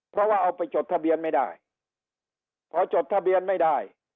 เพราะว่าเอาไปจดทะเบียนไม่ได้พอจดทะเบียนไม่ได้